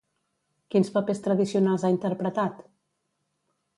Quins papers tradicionals ha interpretat?